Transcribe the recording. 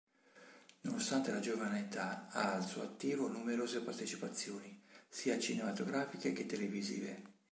Nonostante la giovane età ha al suo attivo numerose partecipazioni sia cinematografiche che televisive.